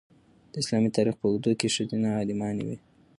د اسلامي تاریخ په اوږدو کې ښځینه عالمانې وې.